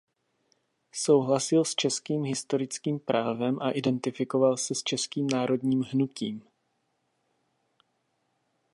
Souhlasil s českým historickým právem a identifikoval se s českým národním hnutím.